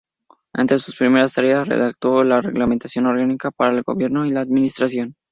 Entre sus primeras tareas, redactó la reglamentación orgánica para el gobierno y la administración.